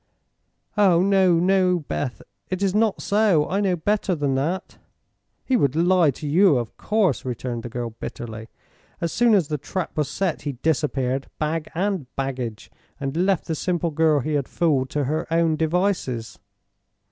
"Oh, no, no, Beth! It is not so! I know better than that." "He would lie to you, of course," returned the girl bitterly. "As soon as the trap was set he disappeared, bag and baggage, and left the simple girl he had fooled to her own devices."